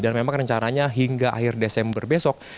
dan memang rencananya hingga akhir desember besok